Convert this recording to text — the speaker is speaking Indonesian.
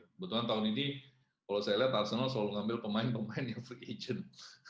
kebetulan tahun ini kalau saya lihat arsenal selalu ngambil pemain pemain yang free agent